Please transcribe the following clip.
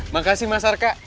makasih mas harka